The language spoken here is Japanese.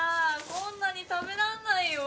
こんなに食べられないよ。